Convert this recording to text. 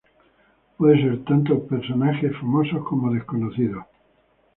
Pueden ser tanto personajes famosos como desconocidos.